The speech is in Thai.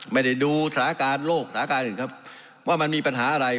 ดูสถานการณ์โลกสถานการณ์อื่นครับว่ามันมีปัญหาอะไร